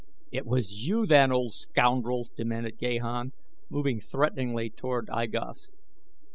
"It was you, then, old scoundrel?" demanded Gahan, moving threateningly toward I Gos.